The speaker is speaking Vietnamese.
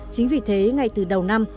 chính vì thế ngay từ đầu năm